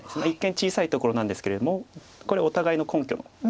一見小さいところなんですけれどもこれお互いの根拠